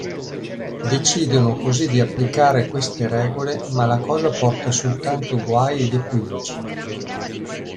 Decidono così di applicare queste regole ma la cosa porta soltanto guai ed equivoci.